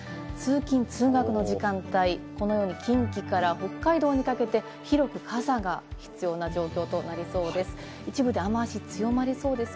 通勤・通学の時間帯、近畿から北海道にかけて、広く傘が必要な状況となりそうです。